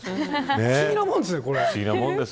不思議なもんですね。